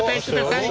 はい。